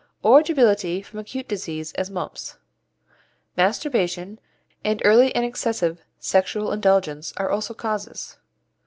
or debility from acute disease, as mumps. Masturbation, and early and excessive sexual indulgence, are also causes.